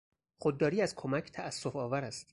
خودداری او از کمک تاسفآور است.